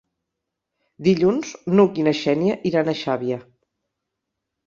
Dilluns n'Hug i na Xènia iran a Xàbia.